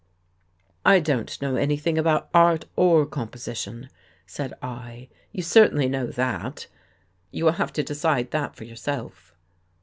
"" I don't know anything about art or composi tion," said I. "You certainly know that. You will have to decide that for yourself."